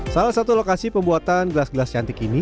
salah satu lokasi pembuatan gelas gelas cantik ini